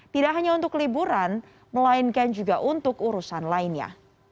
tidak hanya untuk liburan melainkan juga untuk urusan lainnya